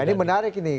ya ini menarik ini